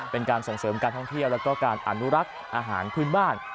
เป็นการส่งเสริมการท่องเที่ยวแล้วก็การอนุรักษ์อาหารพื้นบ้าน